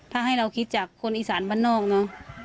ถ้าให้เราคิดจากคนอีสานบ้านนอกเนอะ